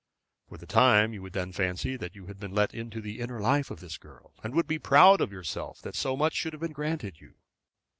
For the time you would then fancy that you had been let into the inner life of this girl, and would be proud of yourself that so much should have been granted you.